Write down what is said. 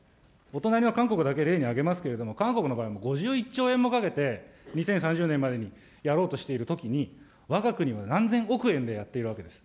お隣の韓国だけ例に挙げますけれども、韓国の場合、５１兆円もかけて、２０３０年までにやろうとしているときに、わが国は何千億円でやっているわけです。